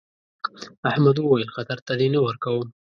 احمد وويل: خطر ته دې نه ورکوم.